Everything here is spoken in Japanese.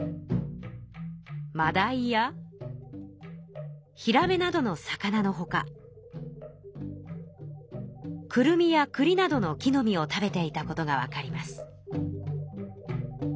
まだいやひらめなどの魚のほかくるみやくりなどの木の実を食べていたことがわかります。